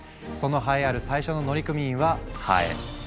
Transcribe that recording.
その栄えある最初の乗組員はハエ。